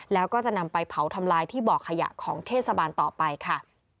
แล้วก็จะนำไปเผาทำลายที่บ่อขยะของเทศบาลต่อไปค่ะ